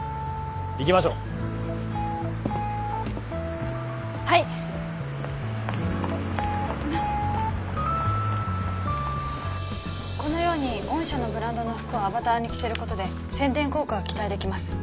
行きましょうはいこのように御社のブランドの服をアバターに着せることで宣伝効果が期待できます